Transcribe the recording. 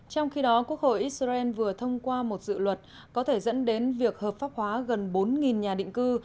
trong khi đó quốc hội israel vừa thông qua một dự luật có thể dẫn đến việc hợp pháp hóa gần bốn nhà định cư